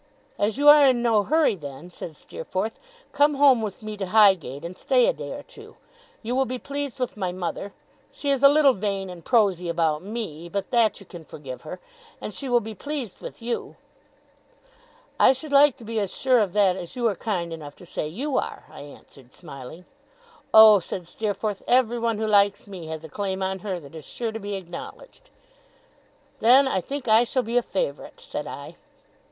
'As you are in no hurry, then,' said Steerforth, 'come home with me to Highgate, and stay a day or two. You will be pleased with my mother she is a little vain and prosy about me, but that you can forgive her and she will be pleased with you.' 'I should like to be as sure of that, as you are kind enough to say you are,' I answered, smiling. 'Oh!' said Steerforth, 'everyone who likes me, has a claim on her that is sure to be acknowledged.' 'Then I think I shall be a favourite,' said I.